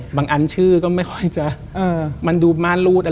บางอันชื่อก็ไม่ค่อยจะมันดูม่านรูดอะไรอย่างนี้